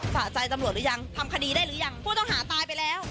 สะใจตำรวจหรือยังทำคดีได้หรือยังผู้ต้องหาตายไปแล้ว